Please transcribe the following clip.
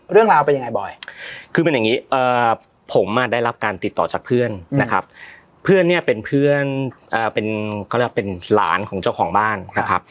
เรื่องราวเป็นยังไงบ่อย